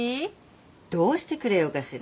どうしてくれようかしら。